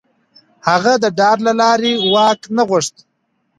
هغه د ډار له لارې واک نه غوښت.